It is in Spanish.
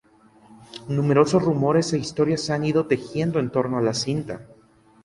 Numerosos rumores e historias se han ido tejiendo en torno a la cinta.